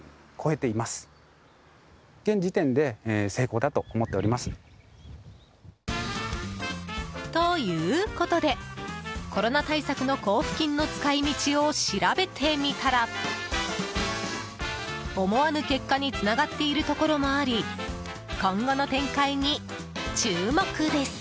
この状況に町の担当者は。ということで、コロナ対策の交付金の使い道を調べてみたら思わぬ結果につながっているところもあり今後の展開に注目です。